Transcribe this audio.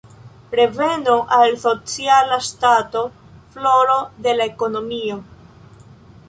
Reveno al sociala ŝtato, floro de la ekonomio.